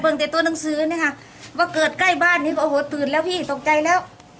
บริเวณแต่ตัวหนังสือนี่ค่ะเบาะเกิดใกล้บ้านนี้โอหอยตื่นแล้วพี่ตกใจแล้ว